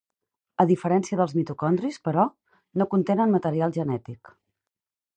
A diferència dels mitocondris, però, no contenen material genètic.